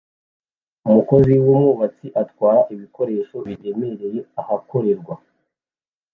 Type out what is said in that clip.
Umukozi wubwubatsi atwara ibikoresho biremereye ahakorerwa